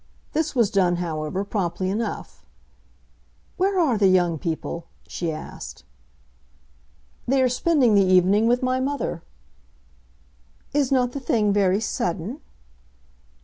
This was done, however, promptly enough. "Where are the young people?" she asked. "They are spending the evening with my mother." "Is not the thing very sudden?"